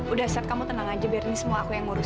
udah set kamu tenang aja biar ini semua aku yang ngurus